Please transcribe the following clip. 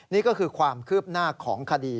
นี่ก็คือความคืบหน้าของคดี